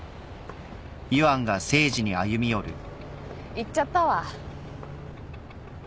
行っちゃったわ。